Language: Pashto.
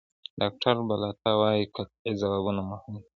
ډاکټر بالاتا وايي قطعي ځوابونه مهم دي.